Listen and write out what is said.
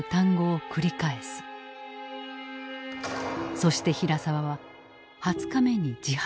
そして平沢は２０日目に自白。